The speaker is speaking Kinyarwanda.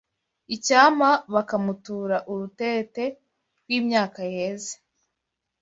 icyampa bakamutura urutete rw’imyaka yeze